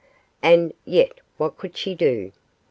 And yet what could she do?